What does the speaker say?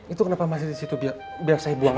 itu kenapa masih disitu biar saya buangin